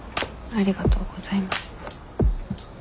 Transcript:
ありがとうございます。